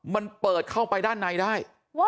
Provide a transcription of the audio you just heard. มันเปิดเข้าไปด้านในได้